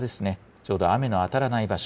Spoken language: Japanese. ちょうど雨の当たらない場所。